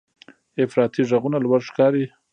افراطي غږونه لوړ ښکاري.